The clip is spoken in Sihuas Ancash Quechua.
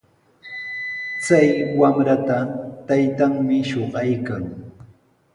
Chay wamrata taytanmi shuqaykan.